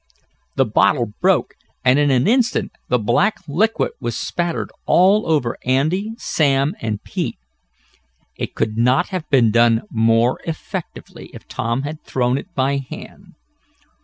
The bottle broke, and in an instant the black liquid was spattered all over Andy, Sam and Pete. It could not have been done more effectively if Tom had thrown it by hand.